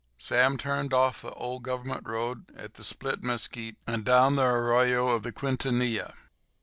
Sam turned off the old Government road at the split mesquite, and struck down the arroyo of the Quintanilla.